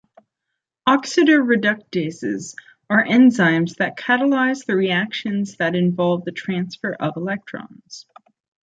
Oxidoreductases are enzymes that catalyze the reactions that involve the transfer of electrons.